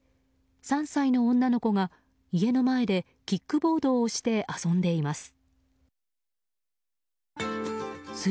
３歳の女の子が家の前でキックボードを押して遊んでいます。